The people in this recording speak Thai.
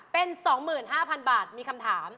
เป็น๒๕๐๐๐บาทมีคำถาม